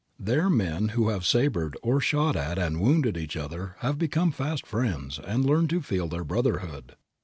There men who have sabered or shot at and wounded each other have become fast friends and learned to feel their brotherhood.